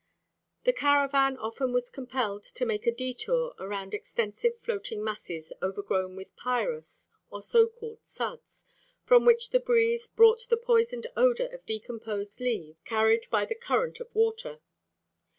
The caravan often was compelled to make a detour around extensive floating masses overgrown with pyrus, or so called "sudds," from which the breeze brought the poisoned odor of decomposed leaves carried by the current of water.